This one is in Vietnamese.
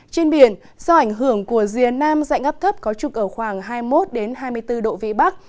trên biển do ảnh hưởng của rìa nam dạnh ấp thấp có trục ở khoảng hai mươi một hai mươi bốn độ vĩ bắc